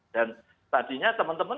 dan tadinya teman teman